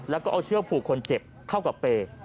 แล้วก็เอาเชือกผูกคนเจ็บเข้ากับเปย์